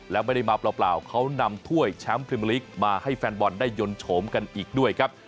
แล้วไม่ได้มาเปล่าเขานำถ้วยแชมป์พรีเมอร์ลีกมาให้แฟนบอลได้ยนต์โฉมกันอีกด้วยครับ